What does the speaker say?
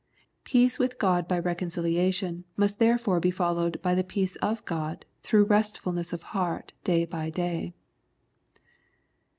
Peace with God by reconciliation must therefore be followed by the peace of God through restfulness of heart day by day.